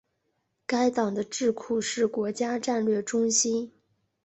该党的智库是国家战略中心。